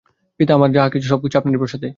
পিতা, আমার যাহা-কিছু সব আপনারই প্রসাদে।